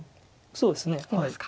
そうですね。